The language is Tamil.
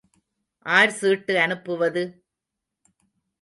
ஆர் சீட்டு அனுப்புவது?